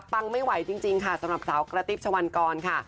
ไม่ไหวจริงค่ะสำหรับสาวกระติ๊บชะวันกรค่ะ